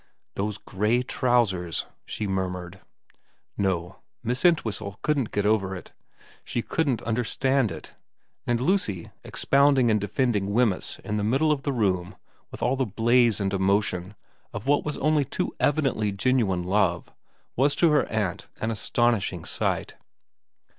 ' Those grey trousers,' she murmured. No ; Miss Entwhistle couldn't get over it. She couldn't understand it. And Lucy, expounding and defending Wemyss in the middle of the room with all the blaze and emotion of what was only too evidently genuine love, was to her aunt an astonishing sight.